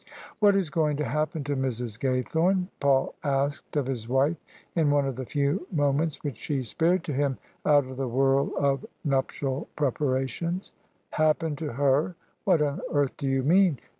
"What is going to happen to Mrs, Ga3rthome?" Paul asked of his wife in one of the few moments which she spared to him out of the whirl of nuptial preparations. " Happen to her? What on earth do you mean?